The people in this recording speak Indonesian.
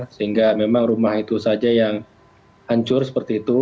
sehingga memang rumah itu saja yang hancur seperti itu